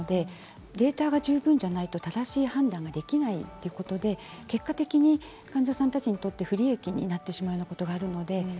データが十分じゃないと正しい判断ができないということで結果的に患者さんたちにとって不利益になってしまうことがあります。